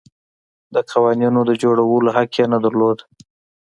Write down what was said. د قوانینو د جوړولو حق یې نه درلود.